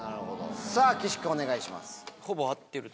さぁ岸君お願いします。